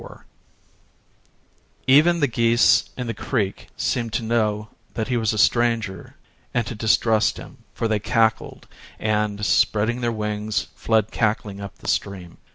IV Even the geese in the creek seemed to know that he was a stranger and to distrust him, for they cackled and, spreading their wings, fled cackling up the stream.